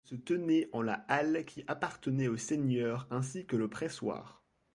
Elles se tenaient en la halle qui appartenait au seigneur ainsi que le pressoir.